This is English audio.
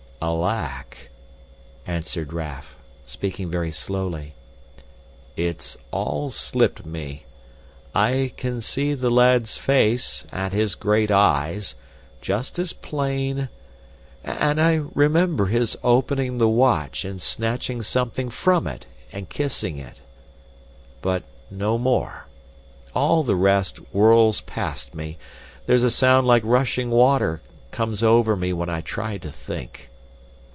"Alack!" answered Raff, speaking very slowly. "It's all slipped me. I can see the lad's face and his great eyes, just as plain and I remember his opening the watch and snatching something from it and kissing it but no more. All the rest whirls past me; there's a sound like rushing waters comes over me when I try to think."